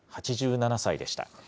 ８７歳でした。